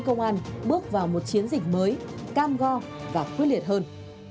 công an bước vào một chiến dịch mới cam go và quyết liệt hơn